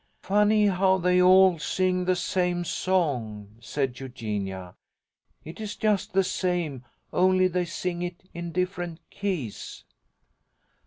"Funny, how they all sing the same song," said Eugenia. "It's just the same, only they sing it in different keys."